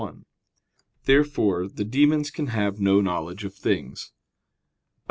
Therefore the demons can have no knowledge of things. Obj.